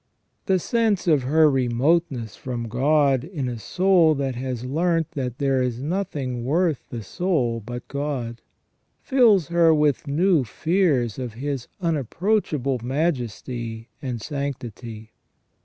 " The sense of her remoteness from God, in a soul that has learnt that there is nothing worth the soul but God, fills her with new fears of His unapproachable majesty and sanctity.